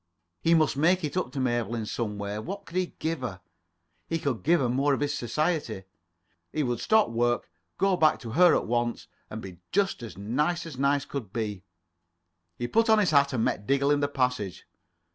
He must make it up to Mabel in some way. What could he give her? He could give her more of his society. He would stop work, go back to her at once, and be just as nice as nice could be. [Pg 24]He put on his hat, and met Diggle in the passage.